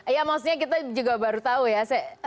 ya maksudnya kita juga baru tahu ya